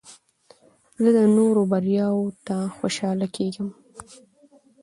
زه د نورو بریاوو ته خوشحاله کېږم.